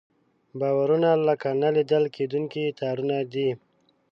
باورونه لکه نه لیدل کېدونکي تارونه دي.